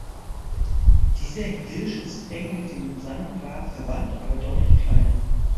Dieser Hirsch ist eng mit dem Sambar verwandt, aber deutlich kleiner.